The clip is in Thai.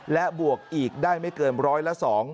และบวกอีกได้ไม่เกินร้อยละ๒